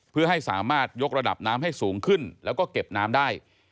เพื่อให้สามารถยกระดับน้ำให้สูงขึ้นแล้วก็เก็บน้ำได้